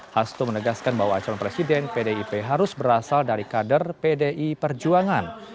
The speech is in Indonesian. hasto menegaskan bahwa calon presiden pdip harus berasal dari kader pdi perjuangan